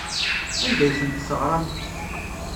Anda ay tent-teɣram?